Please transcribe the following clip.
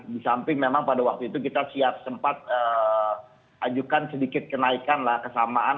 di samping memang pada waktu itu kita siap sempat ajukan sedikit kenaikan lah kesamaan